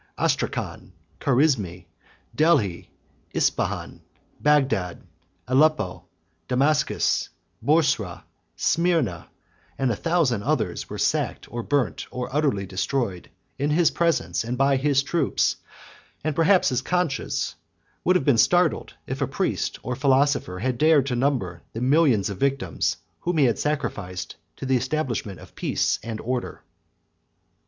Astracan, Carizme, Delhi, Ispahan, Bagdad, Aleppo, Damascus, Boursa, Smyrna, and a thousand others, were sacked, or burnt, or utterly destroyed, in his presence, and by his troops: and perhaps his conscience would have been startled, if a priest or philosopher had dared to number the millions of victims whom he had sacrificed to the establishment of peace and order.